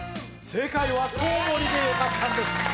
正解は「コウモリ」でよかったんです